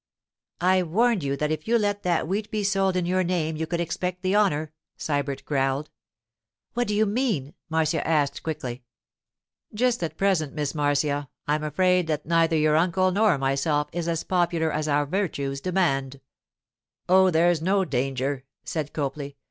'I warned you that if you let that wheat be sold in your name you could expect the honour,' Sybert growled. 'What do you mean?' Marcia asked quickly. 'Just at present, Miss Marcia, I'm afraid that neither your uncle nor myself is as popular as our virtues demand.' 'Oh, there's no danger,' said Copley.